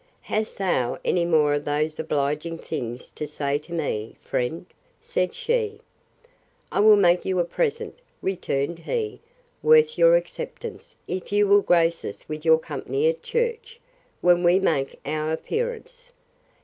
Hast thou any more of these obliging things to say to me, friend? said she. I will make you a present, returned he, worth your acceptance, if you will grace us with your company at church, when we make our appearance.